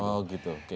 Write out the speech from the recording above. oh gitu oke